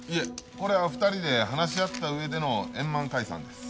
これは２人で話し合った上での円満解散です。